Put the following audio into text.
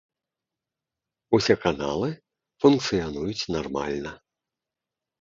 Усе каналы функцыянуюць нармальна.